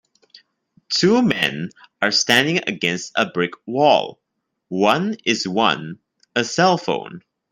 Two men are standing against a brick wall, one is one a cellphone.